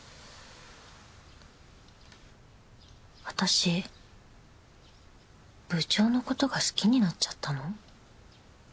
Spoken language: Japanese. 私部長のことが好きになっちゃったの？